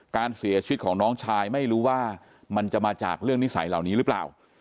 การเสียชีวิตของน้องชายไม่รู้ว่ามันจะมาจากเรื่องนิสัยเหล่านี้หรือเปล่า